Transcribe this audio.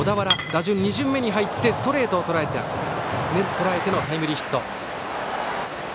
打順２巡目に入ってストレートをとらえてのタイムリーヒット。